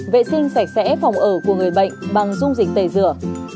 vệ sinh sạch sẽ phòng ở của người bệnh bằng dung dịch tẩy rửa